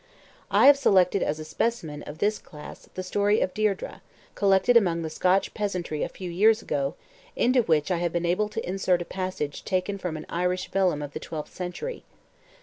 I have selected as a specimen of this class the Story of Deirdre, collected among the Scotch peasantry a few years ago, into which I have been able to insert a passage taken from an Irish vellum of the twelfth century.